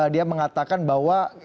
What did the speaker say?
dia mengatakan bahwa